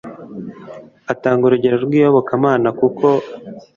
atanga urugero rw'iyobokamana, kuko